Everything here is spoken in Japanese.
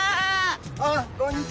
あっこんにちは！